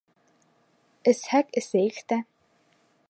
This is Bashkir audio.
Эсһәк эсәйек тә...